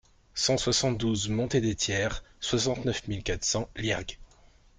cent soixante-douze montée des Tiers, soixante-neuf mille quatre cents Liergues